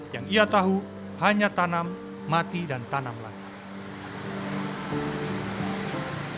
yang ia tahu hanya tanam mati dan tanam lagi